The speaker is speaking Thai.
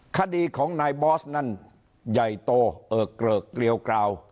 คดีของนายบอสนั่นใหญ่โตเอิกเกลิกเกลียวกราว